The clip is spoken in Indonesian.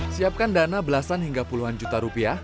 siapkan dana belasan hingga puluhan juta rupiah